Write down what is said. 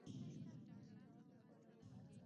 دا له میلاد څخه مخکې په یو سوه درې دېرش کال کې و